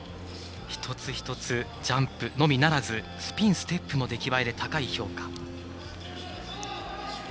一つ一つ、ジャンプのみならずスピン、ステップも出来栄えで高い評価。